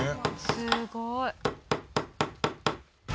すごい。